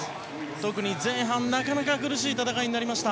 特に前半、なかなか苦しい戦いになりました。